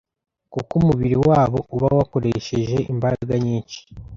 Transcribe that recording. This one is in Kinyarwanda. kuko umubiri wabo uba wakoresheje imbaraga nyinshi